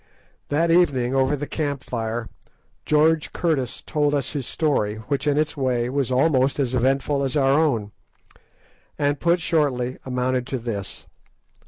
That evening, over the camp fire, George Curtis told us his story, which, in its way, was almost as eventful as our own, and, put shortly, amounted to this.